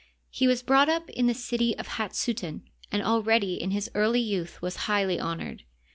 He was brought up in the city of Hat suten, and already in his early youth was highly honored.